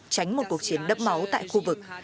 tránh một cuộc chiến đấp máu tại khu vực